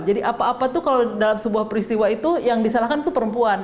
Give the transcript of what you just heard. jadi apa apa itu kalau dalam sebuah peristiwa itu yang disalahkan itu perempuan